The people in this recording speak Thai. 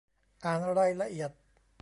อ่านรายละเอียด